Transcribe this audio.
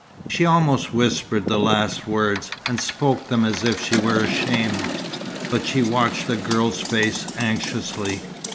She almost whispered the last words, and spoke them as if she were ashamed. But she watched the girl's face anxiously.